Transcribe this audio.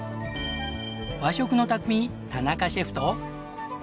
和食の匠田中シェフと。